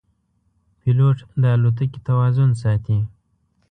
پیلوټ د الوتکې توازن ساتي.